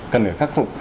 cần phải khắc phục